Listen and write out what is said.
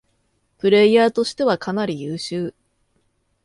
プレイヤーとしてはかなり優秀